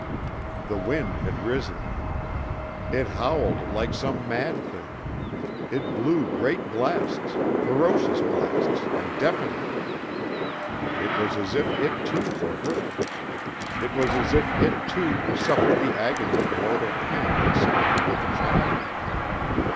The wind had risen. It howled like some mad thing. It blew great blasts, ferocious blasts and deafening. It was as if it, too, were hurt. It was as if it, too, suffered the agony of mortal pain in sympathy with the child.